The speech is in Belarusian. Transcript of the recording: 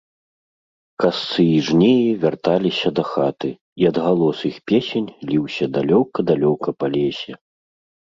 Касцы i жнеi вярталiся дахаты, i адгалос iх песень лiўся далёка-далёка па лесе...